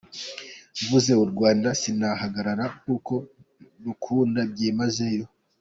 Mvuze u Rwanda sinahagarara kuko ndukunda byimazeyo.